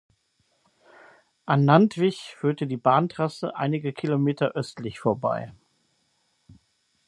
An Nantwich führte die Bahntrasse einige Kilometer östlich vorbei.